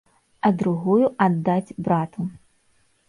А другую аддаць брату.